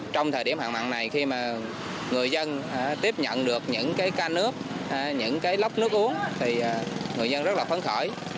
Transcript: trong thời điểm hạn mặn này khi mà người dân tiếp nhận được những cái ca nước những cái lốc nước uống thì người dân rất là phấn khởi